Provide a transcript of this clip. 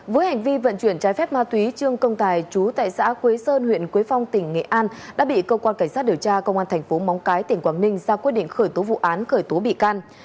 với hành vi vận chuyển trái phép ma túy trương công tài chú tại xã quế sơn huyện quế phong tỉnh nghệ an đã bị cơ quan cảnh sát điều tra công an thành phố móng cái tỉnh quảng ninh ra quyết định khởi tố vụ án khởi tố bị can